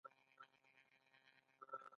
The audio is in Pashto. کرومایټ د څه شي په جوړولو کې کاریږي؟